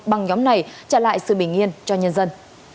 băng nhóm này trả lại sự bình yên cho nhân dân